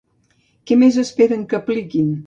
Què més esperen que apliquin?